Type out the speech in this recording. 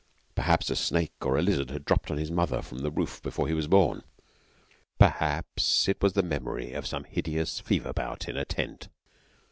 Perhaps a snake or a lizard had dropped on his mother from the roof before he was born; perhaps it was the memory of some hideous fever bout in a tent.